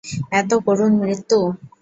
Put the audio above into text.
এত করুণ মৃত্যু।